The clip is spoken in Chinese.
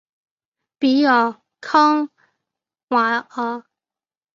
比尔康瓦尔。